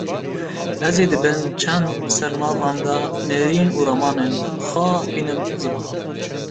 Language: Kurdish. Ez ê di bin çend sernavan de nêrîn û ramanên xwe bînim ziman